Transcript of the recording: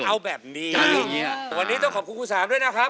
ขอบคุณมากขอบคุณมากบิ๊กก็อด